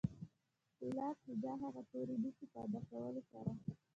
سېلاب هجا هغه توري دي چې په ادا کولو سره.